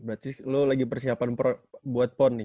berarti lo lagi persiapan buat pon nih